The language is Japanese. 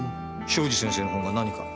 庄司先生の本が何か？